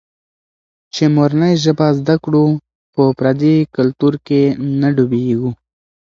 چي مورنۍ ژبه زده کړو، په پردي کلتور کې نه ډوبېږو.